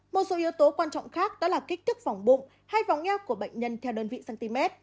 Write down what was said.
một số yếu tố quan trọng khác đó là kích thước vòng bụng hai vòng eo của bệnh nhân theo đơn vị cm